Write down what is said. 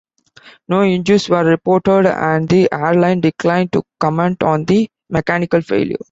No injuries were reported, and the airline declined to comment on the mechanical failure.